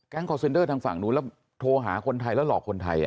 คอร์เซ็นเดอร์ทางฝั่งนู้นแล้วโทรหาคนไทยแล้วหลอกคนไทย